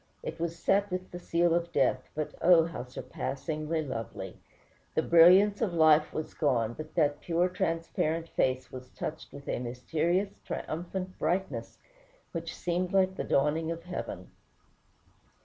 It was set with the seal of death; but oh, how surpassingly lovely! The brilliancy of life was gone, but that pure, transparent face was touched with a mysterious, triumphant brightness, which seemed like the dawning of heaven.